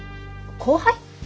後輩？